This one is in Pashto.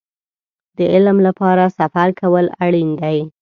د علم لپاره سفر کول اړين دی.